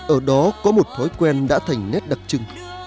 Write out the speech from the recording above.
ở đó có một thói quen đã thành nét đặc trưng